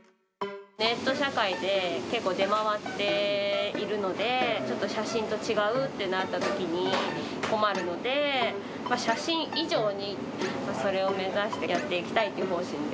ネット社会で、結構、出回っているので、ちょっと写真と違うってなったときに困るので、写真以上にそれを目指して、やっていきたいという方針で。